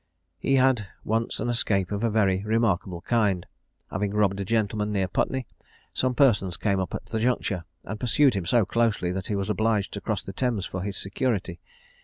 He had once an escape of a very remarkable kind: Having robbed a gentleman near Putney, some persons came up at the juncture, and pursued him so closely that he was obliged to cross the Thames for his security.